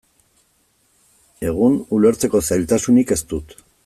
Egun, ulertzeko zailtasunik ez dut.